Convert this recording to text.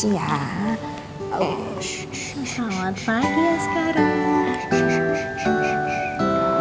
udah popok udah popok udah popok